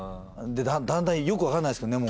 でだんだんよくわかんないですけどね